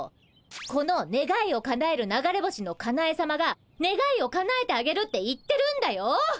このねがいをかなえる流れ星のかなえさまがねがいをかなえてあげるって言ってるんだよ？